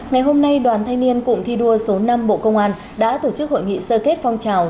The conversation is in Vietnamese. ngày hôm nay đoàn thanh niên cụng thi đua số năm bộ công an đã tổ chức hội nghị sơ kết phong trào